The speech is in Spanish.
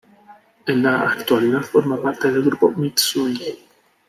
En la actualidad forma parte del Grupo Mitsui.